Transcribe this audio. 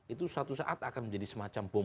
itu suatu saat akan menjadi semacam bom